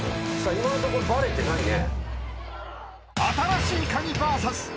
今のところバレてないね。